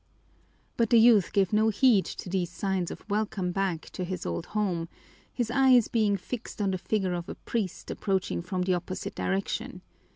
But the youth gave no heed to these signs of welcome back to his old home, his eyes being fixed on the figure of a priest approaching from the opposite direction.